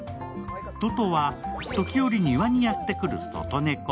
トトは時折、庭にやってくる外猫。